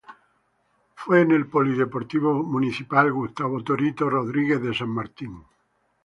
Fue en el Polideportivo Municipal Gustavo Torito Rodríguez de San Martín.